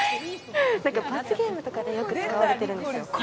罰ゲームとかでよく使われてるんですよ。